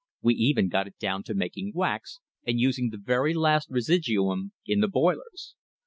We even got it down to making wax, and using the very last residuum in the boilers.